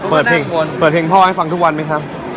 เปิดเพลงพ่อให้ฟังทุกวันมั้ยครับ